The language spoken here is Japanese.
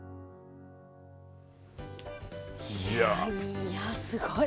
いやすごい。